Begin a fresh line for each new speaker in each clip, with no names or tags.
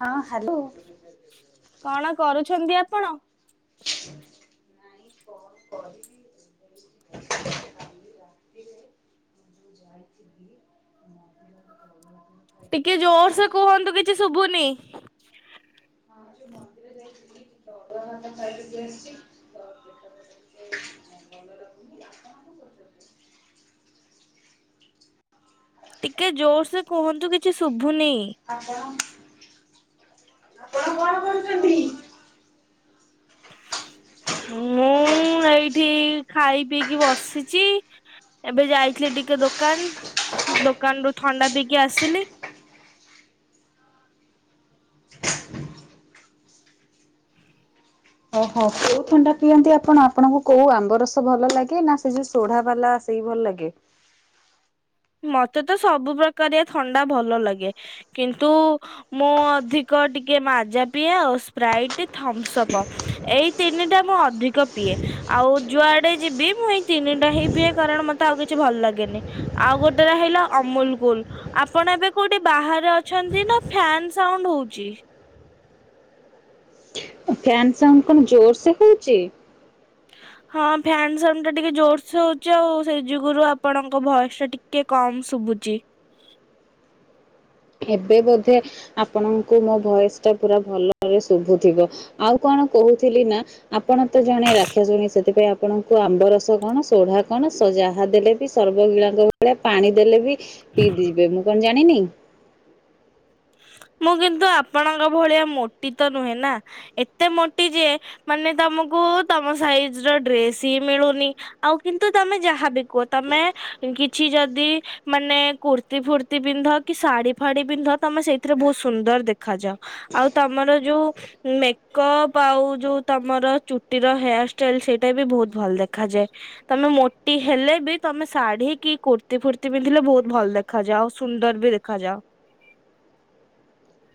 ହଁ ହ୍ୟାଲୋ।
କଣ କରୁଛନ୍ତି ଆପଣ? [inaudible]
[inaudible]
ଟିକେ ଜୋରସେ କୁହନ୍ତୁ କିଛି ଶୁଭୁନି।
ହଁ ଯଉ ମନ୍ଦିର ଯାଇଥିଲି ସେ ମନ୍ଦିର ମାନଙ୍କ [unintelligible]
ଟିକେ ଜୋର ସେ କୁହନ୍ତୁ କିଛି ଶୁଭୁନି।
ଆପଣ କଣ କରୁଚନ୍ତି?
ମୁଁ ଏଇଠି ଖାଇ ପିଇକି ବସିଚି। ଏବେ ଯାଇଥିଲି ଟିକେ ଦୋକାନ। ଦୋକାନରୁୁ ଥଣ୍ଡା ପିକି ଆସିଲି।
ଓହୋ କୋଉ ଥଣ୍ଡା ପିଅନ୍ତି ଆପଣ ଆପଣଙ୍କୁ କୋଉ ଆମ୍ବ ରସ ଭଲ ଲାଗେ ନା ସେ ଯୋଉ ସୋଢା ବାଲା ସେଇ ଭଲ ଲାଗେ।
ମତେ ତ ସବୁ ପ୍ରକାରିଆ ଥଣ୍ଡା ଭଲ ଲାଗେ କିନ୍ତୁ ମୁଁ ଅଧିକ ଟିକେ ମାଜା ପିଏ ଆଉ ସ୍ପ୍ରାଇଟ ଥମ୍ସ ଅପ ଏଇ ତିନିଟା ମୁଁ ଅଧିକ ପିଏ ଆଉ ଯୁଆଡେ ଯିବି ମୁଁ ଏଇ ତିନିଟା ହିଁ ପିଏ କାରଣ ମତେ ଆଉ କିଛି ଭଲ ଲାଗେନି। ଆଉ ଗୋଟେ ରହିଲା ଅମୁଲ କୁଲ ଆପଣ ଏବେ କୋଉଠି ବାହାରେ ଅଛନ୍ତି ନା ଫ୍ୟାନ ସାଉଣ୍ଡ ହଉଛି।
ଫ୍ୟାନ ସାଉଣ୍ଡ କଣ ଜୋର ସେ ହଉଛି।
ହଁ ଫ୍ୟାନ ସାଉଣ୍ଡ ଟା ଟିକେ ଜୋରସେ ହଉଛି ଆଉ ସେଇ ଯୁଗୁରୁ ଆପଣଙ୍କ ଭଏସ ଟା ଟିକେ କମ ଶୁଭୁଛି।
ଏବେ ବୋଧେ ଆପଣଙ୍କୁ ମୋ ଭଏସ ଟା ପୁରା ଭଲରେ ଶୁଭୁଥିବ ଆଉ କଣ କହୁଥିଲି ନା ଆପଣ ତ ଜଣେ ରାକ୍ଷ ଶୁଣୀ ସେଥିପାଇଁ ଆପଣଙ୍କୁ ଆମ୍ବ ରସ କଣ ସୋଢା କଣ ଯାହା ଦେଲେ ବି ସର୍ବଗିଳାଙ୍କ ଭଳିଆ ପାଣି ଦେଲେ ବି ପିଇଦିବେ ମୁଁ କଣ ଯ ନାଇଁ ନାଇଁ ।
ମୁଁ କିନ୍ତୁ ଆପଣଙ୍କ ଭଳିଆ ମୋଟି ତ ନୁହେଁ ନା ଏତେ ମୋଟି ଯେ ମାନେ ତମକୁ ତମ ସାଇଜ ର ଡ୍ରେସ ହି ମିଳୁନି ଆଉ କିନ୍ତୁ ତମେ ଯାହାବି କୁହ ତମେ କିଛି ଯଦି ମାନେ କୁର୍ତ୍ତି ଫୁର୍ତି ପିନ୍ଧ କି ଶାଢୀ ଫାଢି ପିନ୍ଧ ତମେ ସେ ସେଥିରେ ବହୁତ ସୁନ୍ଦର ଦେଖାଯାଅ ଆଉ ତମର ଯୋଉ ମେକଅପ ଆଉ ଯୋଉ ତମର ଚୁଟିର ହେୟାର ଷ୍ଟାଇଲ ସେଇଟା ବି ବହୁତ ଭଲ ଦେଖାଯାଏ ତମେ ମୋଟି ହେଲେ ବି ତମେ ଶାଢୀ କି କୁର୍ତ୍ତିୀ ଫୁର୍ତ୍ତି ପିନ୍ଧିଲେ ବହୁତ ଭଲ ଦେଖାଯାଅ ସୁନ୍ଦର ବି ଦେଖାଯାଅ।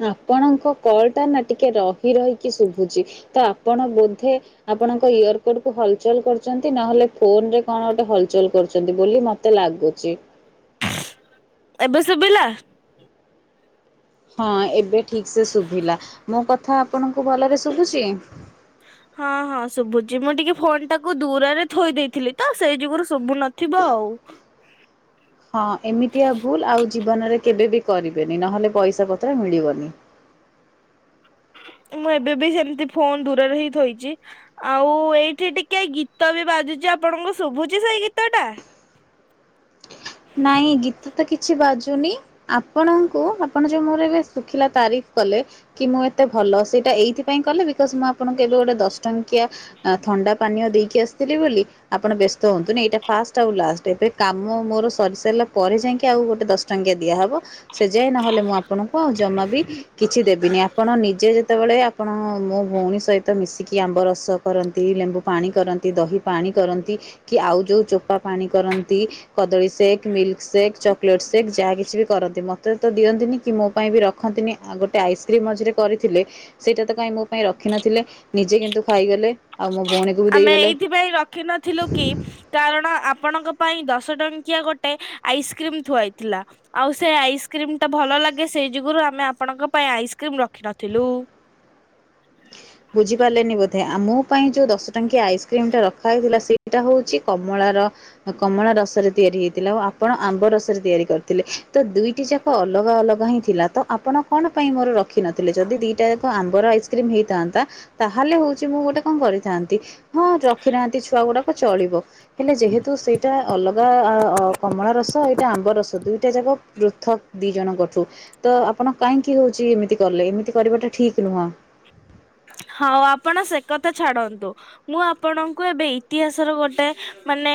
ଆପଣଙ୍କ କଲ ଟା ନା ଟିକେ ରହି ରହିକି ଶୁଭୁଛି ତ ଆପଣ ବୋଧେ ଆପଣଙ୍କ ଇୟର କଡ କୁ ହଲଚଲ କରୁଛନ୍ତି ନହେଲେ ଫୋନ ରେ କଣ ଗୋଟେ ହଲଚଲ କରୁଛନ୍ତି ବୋଲି ମତେ ଲାଗୁଛି।
ଏବେ ଶୁଭିଲା?
ହଁ ଏବେ। ଠିକ ସେ ଶୁଭିଲା ମୋ କ ଥା ଆପଣଙ୍କୁ ଭଲସେ ଶୁଭୁଚି।
ହଁ ହଁ ଶୁଭୁଛି ମୁଁ ଟିକେ ଫୋନ୍ ଟାକୁ ଦୂରରେ ଥୋଇ ଦେଇଥିଲି ତ ସେଇ ଯୁଗୁରୁ ଶୁଭୁ ନଥିବ ଆଉ।
ହଁ ଏମିତିଆ ଭୁଲ ଆଉ ଜୀବନରେ କେବେ ବି କରିବେନି ନହେଲେ ପଇସା ପତ୍ର ମିଳିବନି।
ମୁଁ ଏବେ ବି ସେମିତି ଫୋନ ଦୂରରେ ହିଁ ଥୋଇଛି ଆଉ ଏଇଠି ଟିକେ ଗୀତ ବି ବାଜୁଛି ଆପଣଙ୍କୁ ଶୁଭୁଛି ସେଇ ଗୀତ ଟା।
ନି ଆପଣଙ୍କୁ ଆପଣ ଯୋଉ ମୋର ଏବେ ଶୁଖିଲା ତାରିଫ କଲେ କି ମୁଁ ଏତେ ଭଲ ସେଇଟା ଏଇଥିପାଇଁ କଲେ ବିକଜ ମୁଁ ଆପଣଙ୍କୁ ଏବେ ଗୋଟେ ଦଶ ଟଙ୍କିଆ ଥଣ୍ଡା ପାନୀୟ ଦେଇକି ଆସିଥିଲି ବୋଲି ଆପଣ ବ୍ୟସ୍ତ ହୁଅନ୍ତୁନି ଏଇଟା ଫାଷ୍ଟ ଆଉ ଲାଷ୍ଟ ଏବେ କାମ ମୋର। ସରି ସାରିଲା ପରେ ଯାଇକି ଆଉ ଗୋଟେ ଦଶ ଟଙ୍କିଆ ଦିଆହବ। ସେ ଯାଏ ନହେଲେ ମୁଁ ଆପଣଙ୍କୁ ଆଉ ଜମା ବି କିଛି ଦେବିନି ଆପଣ ନିଜେ ସେତେବେଳେ ଆପଣ ମୋ ଭଉଣୀ ସହିତ ମିଶିକି ଆମ୍ବ ରସ କରନ୍ତି ଲେମ୍ବୁ ପାଣି କରନ୍ତି ଦହି ପାଣି କରନ୍ତି କି ଆଉ ଯେଉଁ ଚୋପା ପାଣି କରନ୍ତି କଦଳୀ ମିଲ୍କ ସେକ୍ ଚକୋଲେଟ ସେକ୍ ଯାହା କିଛି ବି କରନ୍ତି ମତେ ତ ଦିଅନ୍ତିନି କି ମୋ ପାଇଁ ବି ରଖନ୍ତିନି ଆଉ ଗୋଟେ ଆଇସ୍କ୍ରିମ ମଝିରେ କରିଥିଲେ ସେଇଟା ତ କାଇହିଁ ମୋ ପାଇଁ ରଖିନଥିଲେ ନିଜେ କିନ୍ତୁ ଖାଇଗଲେ। ଆଉ ମୋ ଭଉଣୀକୁ ବି
ଆମେ
ଦେଇଗଲେ
ଏଇଥିପାଇଁ ରଖି ନଥିଲୁ କି କାରଣ ଆପ ଆପଣଙ୍କ ପାଇଁ ଦଶ ଟଙ୍କିଆ ଗୋଟେ ଆଇସ୍କ୍ରିମ୍ ଥୁଆହେଇଥିଲା ଆଉ ସେ ଆଇସ୍କ୍ରିମ୍ ଟା ଭଲ ଲାଗେ ସେଇ ଯୁଗୁରୁ ଆମେ ଆପଣଙ୍କ ପାଇଁ ଆଇସ୍କ୍ରିମ୍ ରଖି ନଥିଲୁ।
ବୁଝି ପାରଲେନି ବୋଧେ ଆ ମୋ ପାଇଁ ଯୋଉ ଦଶଟାଙ୍କିଆ ଆଇସ୍କ୍ରିମ୍ ଟା ରଖା ହେଇଥିଲା ସେଇଟା ହଉଚି କମଳାର କମଳା ଅ ରସରେ ତିଆରି ହେଇଥିଲା ଓ ଆପଣ ଆମ୍ବ ରସରେ ତିଆରି କରିଥିଲେ ତ ଦିଇଟି ଯାକ ଅଲଗା ଅଲଗା ହିଁ ଥିଲା ତ ଆପଣ କଣ ପାଇଁ ମୋର ରଖିିନଥିଲେ ଯଦି ଦିଟା ଯାକ ଆମ୍ବର ଆଇସ୍କ୍ରିମ ହେଇଥାଁ ତା ତାହେଲେ ହଉଚି ମୁଁ ଗୋଟେ କଁ କରିଥାଆନ୍ତି ହଁ ରଖିନାହାନ୍ତି ଛୁଆ ଗୁଡ଼ାକ ଚଳିବ ହେଲେ ଯେହେତୁ ସେଇଟା ଅଲଗା ଅ-ଅ କମଳା ରସ ଏଇଟା ଆମ୍ବ ରସ ଦୁଇଟା ଯାକ ପୃଥକ ଦି ଜଣଙ୍କଠୁ ତ ଆପଣ କାହିଁକି ହୋଉଚି ଏମିତି କଲେ? ଏମିତି କରିବାଟା ଠିକ ନୁହଁ।
ହଉ ଆପଣ ସେ କଥା ଛାଡ଼ନ୍ତୁ ମୁଁ ଆପଣଙ୍କୁ ଏବେ ଇତିହାସର ଗୋଟେ ମାନେ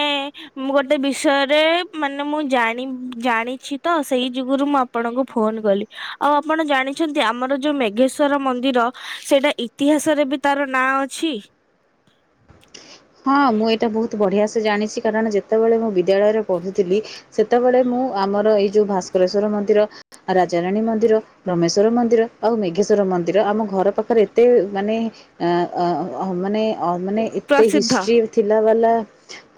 ମୁଁ ଗୋଟେ ବିଷୟରେ ମାନେ ମୁଁ ଜାଣି ଜାଣିଛି ତ ସେଇ ଯୁଗୁରୁ ମୁଁ ଆପଣଙ୍କୁ ଫୋନ୍ କଲି ଆଉ ଆପଣ ଜାଣିଛନ୍ତି ଆମର ଯୋଉ ମେଘେଶ୍ଵର ମନ୍ଦିର ସେଇଟା ଇ ଇତିହାସରେ ବି ତାର ନାଁ ଅଛି।
ହଁ ମୁଁ ଏଇଟା ବୋହୁତ୍ ବଢ଼ିଆସେ ସେ ଜାଣିଛି କାରଣ ଯେତେବେଳେ ମୁଁ ବିଦ୍ୟାଳୟରେ ପଢୁଥିଲି ସେତବେଳ ମୁଁ ଆମର ଏଇଯୋଉ ଭାସ୍କରଶ୍ଵର ମନ୍ଦିର, ରାଜା ରାଣୀ ମନ୍ଦିର, ରମେଶ୍ୱର ମନ୍ଦିର, ଆଉ ମେଘେଶ୍ଵର ମନ୍ଦିର ଆମ ଘର ପାଖରେ ଏତେ ମାନେ ଆଁ -ଅ -ଅ ମାନେ ଅ ମାନେ ଏ
ପ୍ରସିଦ୍ଧ
ହିଷ୍ଟ୍ରି ଥିଲା । ଗଲା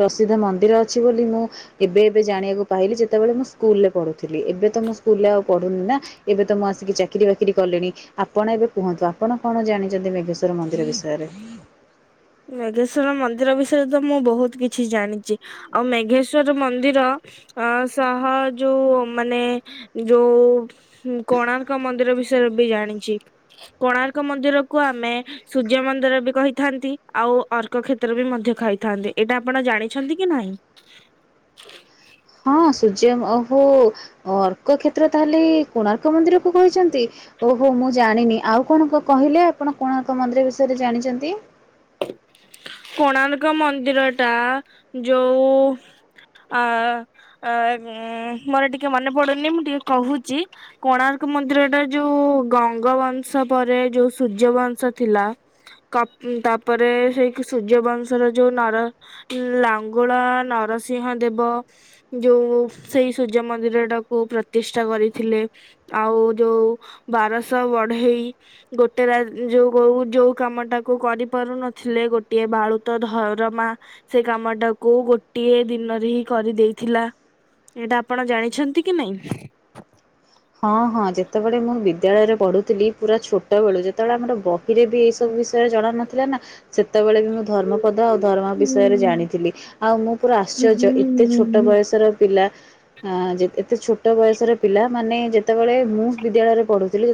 ପ୍ରସିଦ୍ଧ ମନ୍ଦିର ଅଛି ବୋଲି ମୁଁ ଏବେ ଏବେ ଜାଣିଆକୁ ପାଇଲି ଯେତବେଳେ ମୁଁ ସ୍କୁଲ୍ ରେ ପଢ଼ୁଥୁଲି । ଏବେତ ମୁଁ ସ୍କୁଲ୍ ରେ ଆଉ ପଢ଼ୁନି ନାଁ ଏବେ ତ ମୁଁ ଆସିକି ଚାକିରି ବାକିରି କଲିଣି ଆପଣ ଏବେ କୁହନ୍ତୁ ଆପଣ କଣ ଜାଣିଚନ୍ତି ମେଘେଶ୍ଵର ମନ୍ଦିର ବିଷୟରେ।
ମେଘେଶ୍ଵର ମନ୍ଦିର ବିଷୟରେ ତ ମୁଁ ବହୁତ କିଛି ଜାଣିଚି ଆଉ ମେଘେଶ୍ଵର ମନ୍ଦିର ଅଁ ସହ ଯୋଉ ମାନେ ଯୋଉ ଉଁ କୋଣାର୍କ ମନ୍ଦିର ବିଷୟରେ ବି ଜାଣିଚି କୋଣାର୍କ ମନ୍ଦିରକୁ ଆମେ ସୂର୍ଯ୍ୟ ମନ୍ଦିର ବି କହିଥାନ୍ତି । ଆଉ ଅର୍କ କ୍ଷେତ୍ର ବି ମଧ୍ୟ ଖାଇଥାନ୍ତି । ଏଇଟା ଆପଣ ଜାଣିଛନ୍ତି କି ନାହିଁ?
ହଁ ସୂର୍ଯ୍ୟ ଓହୋ ଅର୍କକ୍ଷେତ୍ର ତାହେଲେ କୋଣାର୍କ ମନ୍ଦିର କୁ କହିଛନ୍ତି। ଓହୋ ମୁଁ ଜାଣିନି ଆଉ କଣ କହିଲେ ଆପଣ କୋଣାର୍କ ମନ୍ଦିର ବିଷୟ ରେ ଜାଣିଚନ୍ତି।
କୋଣାର୍କ ମନ୍ଦିରଟା ଯୋଉ ଆ ଆ ଉଁ ମୋର ଟିକେ ମନେ ପଡ଼ୁନି ମୁଁ ଟିକେ କହୁଚି କୋଣାର୍କ ମନ୍ଦିରଟା ଯୋଉ ଗଙ୍ଗବଂଶ ପରେ ଯୋଉ ସୁଜ୍ୟବଂଶ ଥିଲା କ ଉଁ ତ ପରେ ସେଇ ସୁଜ୍ୟବଂଶ ର ଯୋଉ ନାର ଉଁ ଲାଙ୍ଗୁଳା ନରସିଂହ ଦେବ ଯୋଉ ସେଇ ସୁଜ୍ୟ ମନ୍ଦିର ଟାକୁ ପ୍ରତିଷ୍ଠା କରିଥିଲେ । ଆଉ ଯୋଉ ବାରଶ ବଢେଇ ଗୋଟେ ରା ଯୋଉ ଗୋଉ ଯୋଉ କାମଟାକୁ କରି ପାରୁ ନଥିଲେ ଗୋଟିଏ ବାଳୁତ ଧରମା ସେ କାମଟାକୁ ଗୋଟିଏ ଦିନରେ ହି଼ କରିଦେଇଥିଲା । ଏଇଟା ଆପଣ ଜାଣିଛନ୍ତି କି ନାହିଁ?
ହଁ ହଁ ଯେତେବେଳେ ମୁଁ ବିଦ୍ୟାଳୟରେ ପଢୁଥିଲି ପୁରା ଛୋଟ ବେଳୁ ଯେତେବେଳେ ଆମର ବହିରେ ବି ଏଇ ସବୁ ବିଷୟରେ ଜଣ ନଥିଲା ନା ସେତବେଳେ ବି ମୁଁ ଧର୍ମପଦ ଆଉ ଧରମା ବିଷୟରେ
ହୁଁ
ଜାଣିଥିଲି ଆଉ ମୁଁ ପୁରା ଆଶ୍ଚର୍ଯ୍ୟ
ହୁଁ
ଏତେ ଛୋଟ
ହୁଁ
ବୟସର ପିଲା ହାଁ ଯେ ଏତେ ଛୋଟ ବୟସର ପିଲା ମାନେ ଯେତେବେଳେ ମୁଁ ବିଦ୍ୟାଳୟରେ ପଢୁଥିଲି,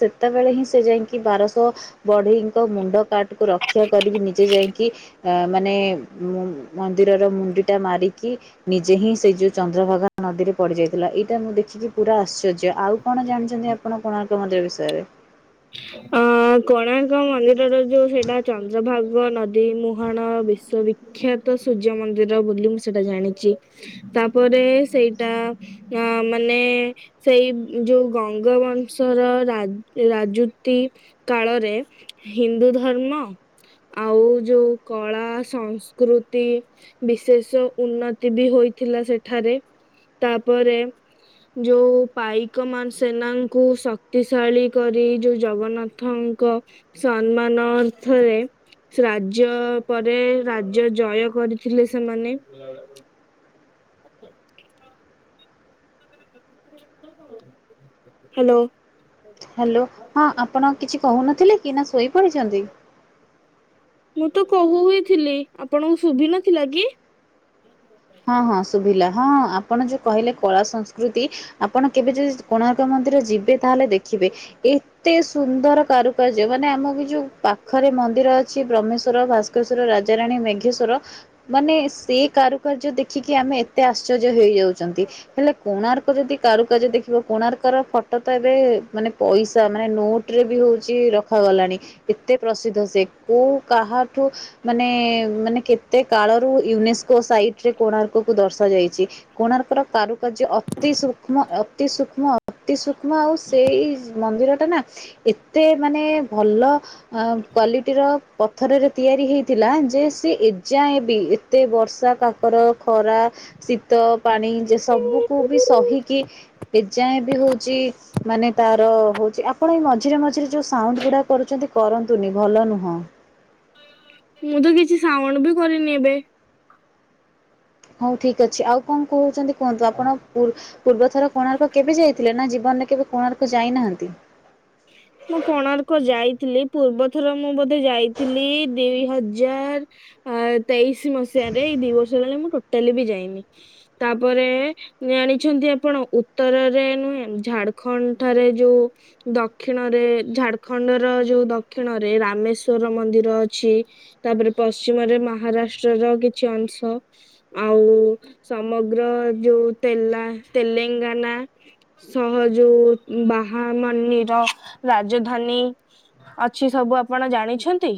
ସେତେବେଳେ ହିଁ ସେ ଯାଇଁକି ବାରଶହ ବଢେଇଙ୍କ ମୁଣ୍ଡ କାଟ ଉକୁ ରକ୍ଷା କରିକି ନିଜେ ଯାଇକି ହା ମାନେ ମୁ - ମନ୍ଦିରର ମୁଣ୍ଡି ଟା ମାରିକି ନିଜେ ହିଁ ସେ ଇ ଯୋଉ ଚନ୍ଦ୍ରଭାଗା ନଦୀ ରୁ ପଡିଯାଇ ହେଲା ଏଇଟା ମୁଁ ଦେଖିକି ପୁରା ଆଶ୍ଚର୍ଯ ଟେ ଆଉ କଣ ଜାଣିଚନ୍ତି ଆପଣ କଣ କୋଉ ମନ୍ଦିର ବିଷୟରେ
ଅ କୋଣାର୍କ ମନ୍ଦିରର ଯୋଉ ସେଇଟା ଚନ୍ଦ୍ରଭାଗ ନଦୀ ମୁହାଣ ବିଶ୍ୱବିଖ୍ୟାତ ସୂର୍ଯ୍ୟ ମନ୍ଦିର ବୋଲି ମୁଁ ସେଇଟା ଜାଣିଛି । ତା ପରେ ସେଇଟା ଆଁ ମାନେ ସେଇ ଯୋଉ ଗଙ୍ଗ ବଂଶର ରା--ରା ଯୁତି କାଳରେ ହିନ୍ଦୁ ଧର୍ମ ଆଉ ଯୋଉ କଳା ସଂସ୍କୃତି ବିଶେଷ ଉନ୍ନତି ବି ହୋଇଥିଲା ସେଠାରେ ତାପରେ ଯୋଉ ପାଇକମାନ ସେନାଙ୍କୁ ଶକ୍ତିଶାଳୀ କରି ଯୋଉ ଜଗନ୍ନାଥଙ୍କ ସନ୍ମାନ ଅର୍ଥରେ ରାଜ୍ୟ ପରେ ରାଜ୍ୟ ଜୟ କରିଥିଲେ ସେମାନେ। [unintelligible] ହାଲୋ।
ହାଲୋ, ହଁ ଆପଣ କିଛି କହୁନଥିଲେ କି ନା ଶୋଇ ପଡ଼ିଛନ୍ତି?
ମୁଁ ତ କହୁ ହିଁ ଥିଲି ଆପଣଙ୍କୁ ଶୁଭିନଥିଲା କି?
ହଁ ହଁ ଶୁଭିଲା ହଁ ଆପଣ ଯୋଉ କହିଲେ କଳା ସଂସ୍କୃତି ଆପଣ କେବେ ଯଦି କୋଣାର୍କ ମନ୍ଦିର ଯିବେ ତାହେଲେ ଦେଖିବେ ଏଇ ଏତେ ସୁନ୍ଦର କାରୁକାର୍ଯ୍ୟ ମାନେ ଆମ ବି ଯୋଉ ପାଖରେ ମନ୍ଦିର ଅ ଛି ବ୍ରହ୍ମେଶ୍ଵର, ଭାସ୍କରେଶ୍ଵର ରା ଜା ରାଣୀ ମେଘେଶ୍ଵର ମାନେ ସେ କାର ଯ୍ୟ ଦେଖି ଆମେ ଏତେ ଆଶ୍ଚର୍ଯ୍ୟ ହେଇଯାଉ ହେଲେ କୋଣାର୍କ ଯଦି କାରୁକାର୍ଯ୍ୟ ଦେଖିବ କୋଣାର୍କ ର ଫଟୋ ତ ଏବେ ମାନେ ପଇସା ମାନେ ନୋଟ ରେ ବି ହଉଛି ରଖାଗଲାଣି ଏତେ ପ୍ରସିଦ୍ଧ ସେ କୋଉ କାହାଠୁ ମାନେ ମାନେ କେତେ କାଳରୁ ୟୁନେସ୍କୋ ସାଇଟ୍ ରେ କୋଣାର୍କକୁୁ ଦର୍ଶାଯାଇଛି କୋଣାର୍କର କାରୁ ଯେ ଅତି ସୂକ୍ଷ୍ମ ତି ସୁକ୍ଷ୍ମ ଅତି ସୁକ୍ଷ୍ମ ଆଉ ସେଇ ମନ୍ଦିର ଏତେ ମାନେ ଭଲ କ୍ଵାଲିଟିର ପଥରରେ ତିଆରି ହେଇଥିଲା ଯେ ସେ ଏଯାଏ ଏ ବି ଏତେ ବର୍ଷା କା କର ଖରା ଶୀତ ପାଣି ଯେ ସବୁକୁ ବି ସହିକି ଏ ଯାଏ ବି ହଉଛି ମାନେ ତାର ହଉଛି ଆପଣ ଏଇ ମଝିରେ ମଝିରେ ଯୋଉ ସାଉଣ୍ଡ ଗୁଡା କରୁଛନ୍ତି କରନ୍ତୁନି ଭଲ ନୁହଁ।
ମୁଁ ତ କିଛି ସାଉଣ୍ଡ ବି କରିନି ଏବେ।
ହଉ ଠିକ ଅଛି ଆଉ କଣ କହୁଛନ୍ତି? କୁହନ୍ତୁ ଆପଣ? ପୂର୍ବ ଥର କୋଣାର୍କ କେବେ ଯାଇଥିଲେ ନା ଜୀବନରେ କେବେ କୋଣାର୍କ ଯାଇନାହାନ୍ତି?
ମୁଁ କୋଣାର୍କ ଯାଇଥିଲି ପୂର୍ବ ଥର ମୁଁ ବୋଧେ ଯାଇଥିଲି ଦିଇ ହଜାର ତେଇଶି ମସିହାରେ ଏଇ ଦିଇ ବର୍ଷ ହେଲାଣି ମୁଁ ଟୋଟାଲି ବି ଯାଇନି ତାପରେ ଜାଣିଛନ୍ତି ଆପଣ ଉତ୍ତରରେ ନୁହେଁ ଝାଡ଼ଖଣ୍ଡ ଠାରେ ଯୋଉ ଦ ଦକ୍ଷିଣରେ ଝାଡ଼ଖଣ୍ଡର ଯୋଉ ଦକ୍ଷିଣରେ ରାମେଶ୍ଵର ମନ୍ଦିର ଅଛି ତାପରେ ପଶ୍ଚିମରେ ମହାରାଷ୍ଟ୍ରର କିଛି ଅଂଶ ଆଉ ସମଗ୍ର ଯୋଉ ତେ ତେଲେଙ୍ଗାନା ସହ ଯୋଉ ବାହା ମନ୍ଦିର ରାଜଧାନୀ ଅଛି ସବୁ ଆପଣ ଜାଣିଛନ୍ତି।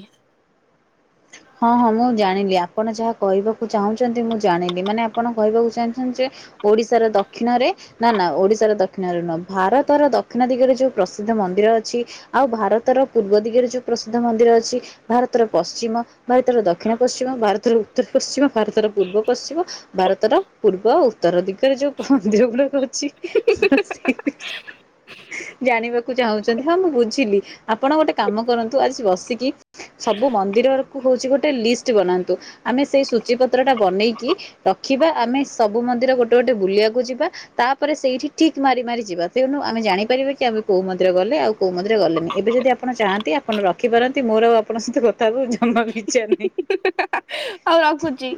ହଁ ହଁ ମୁଁ ଜାଣିଲି ଆପଣ ଯାହା କହିବାକୁ ଚାହୁଁଛନ୍ତି ମୁଁ ଜାଣିଲି ମାନେ ଆପଣ କହିବାକୁ ଚାହୁଁଛନ୍ତି ଯେ ଓଡିଶାର ଦକ୍ଷିଣରେ ନା ନା ଓଡିଶାର ଦକ୍ଷିଣରେ ନୁହଁ ଭାରତର ଦକ୍ଷିଣ ଦିଗରେ ଯୋଉ ପ୍ରସିଦ୍ଧ ମନ୍ଦିର ଅଛି ଆଉ ଭାରତର ପୂର୍ବ ଦିଗରେ ଯୋଉ ପ୍ରସିଦ୍ଧ ମନ୍ଦିର ଅଛି ଭାରତର ପଶ୍ଚିମ ଭାରତର ଦକ୍ଷିଣ ପଶ୍ଚିମ ଭାରତର ଉତ୍ତର ପଶ୍ଚିମ ଭାରତର ପୂର୍ବ ପଶ୍ଚିମ ଭାରତର ପୂର୍ବ ଉତ୍ତର ଦିଗରେ ଯୋଉ ମନ୍ଦିର ଗୁଡ଼ାକ ଜାଣିବାକୁ ଚାହୁଁଛି ହଁ ମୁଁ ବୁଝିଲି ଆପଣ ଗୋଟେ କାମ କରନ୍ତୁ ଆଜି ବସିକି ସବୁ ମନ୍ଦିରର ହଛି ଗୋଟେ ଲିଷ୍ଟ ବନାନ୍ତୁ ଆମେ ସେ ସୂଚୀପତ୍ର ଟା ବନେଇକି ରଖିବା ଆମେ ସବୁ ମନ୍ଦିର ଗୋଟେ ଗୋଟେ ବୁଲିବାକୁ ଯିବା ତାପରେ ସେଇଠି ଠିକ୍ ମାରି ମାରି ଯିବା ତେଣୁ ଆମେ ଜାଣିପାରିବା କି ଆମେ କୋଁ ମନ୍ଦିର ଗଲେ ଆଉ କୋଉ ମନ୍ଦିର ଗଲେନି ଏବେ ଯଦି ଆପଣ ଚାହାନ୍ତି ଆପଣ ରଖିପାରନ୍ତି ମୋର ଆଉ ଆପଣଙ୍କ ସହିତ କଥା ହବା ଜମାବି ଇଛା ନାହିଁ।
ହଉ ରଖୁଛି।